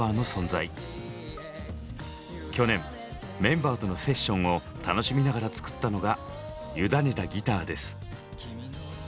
去年メンバーとのセッションを楽しみながら作ったのが「ゆだねたギター」です。